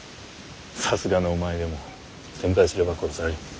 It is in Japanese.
さすがのお前でも手向かいすれば殺される。